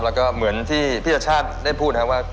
แล้วก็เหมือนที่พี่ชชาติได้พูดนะครับว่า